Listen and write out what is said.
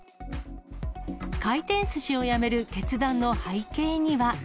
回転すしをやめる決断の背景